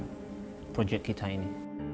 dan meluncurkan proyek kita ini